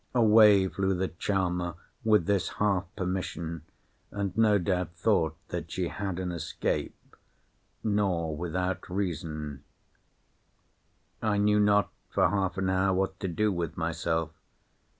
Away flew the charmer with this half permission—and no doubt thought that she had an escape—nor without reason. I knew not for half an hour what to do with myself.